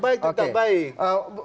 baik tetap baik